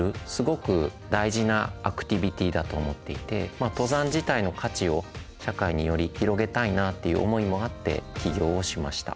あとは登山自体の価値を社会により広げたいなっていう思いもあって起業をしました。